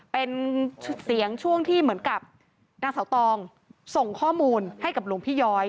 เป็นเสียงช่วงที่เหมือนกับนางเสาตองส่งข้อมูลให้กับหลวงพี่ย้อย